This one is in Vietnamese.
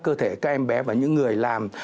cơ thể các em bé và những người làm